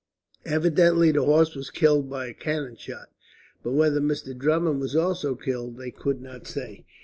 Evidently the horse was killed by a cannon shot, but whether Mr. Drummond was also killed, they could not say."